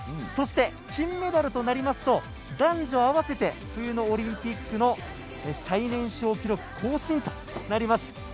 そして、金メダルとなりますと男女合わせて冬のオリンピックの最年少記録更新となります。